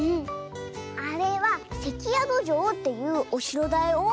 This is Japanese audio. あれはせきやどじょうっていうおしろだよ。